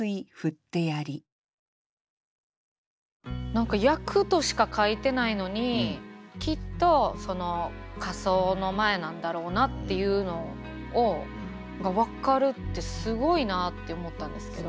何か「焼く」としか書いてないのにきっと火葬の前なんだろうなっていうのが分かるってすごいなって思ったんですけど。